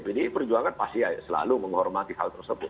jadi perjuangan pasti selalu menghormati hal tersebut